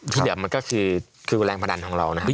ที่เหลือมันก็คือแรงพนันของเรานะครับ